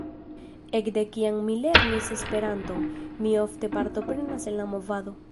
Ekde kiam mi lernis Esperanton, mi ofte partoprenas en la movado.